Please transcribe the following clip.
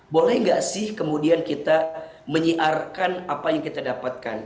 boleh nggak sih kemudian kita menyiarkan apa yang kita dapatkan